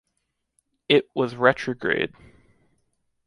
It was retrograde.